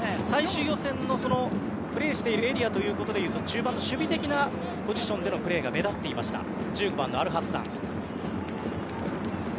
最終予選のプレーしているエリアということでいうと中盤の守備的なポジションでのプレーが目立っていました